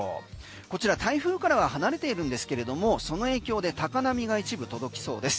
こちら台風からは離れているんですけれどもその影響で高波が一部届きそうです。